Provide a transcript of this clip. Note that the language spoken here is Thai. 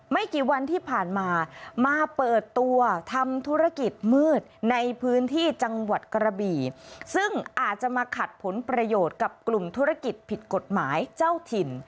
ไม่กี่วันที่ผ่านมามาเปิดตัวทำธุรกิจมืดในพื้นที่จังหวัดกระบี่ซึ่งอาจจะมาขัดผลประโยชน์กับกลุ่มธุรกิจผิดกฎหมายเจ้าถิ่น